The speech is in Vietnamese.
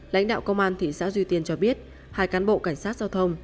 lãnh đạo công an thị xã duy tiên cho biết hai cán bộ cảnh sát giao thông